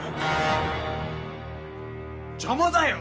邪魔だよ！